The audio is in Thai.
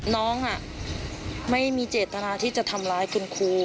น้องไม่มีเจตนาที่จะทำร้ายคุณครู